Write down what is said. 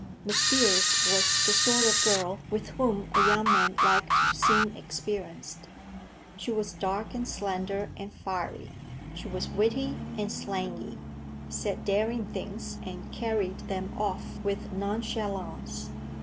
Miss Beers was the sort of girl with whom a young man liked to seem experienced. She was dark and slender and fiery. She was witty and slangy; said daring things and carried them off with nonchalance.